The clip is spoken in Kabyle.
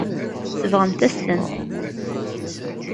Tsebɣemt-as-tent.